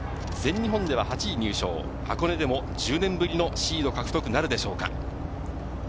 全日本では８位入賞、箱根でも１０年ぶりのシード獲得となるでしょうか。